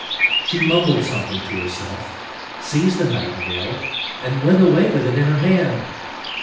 She mumbled something to herself, seized the nightingale, and went away with it in her hand.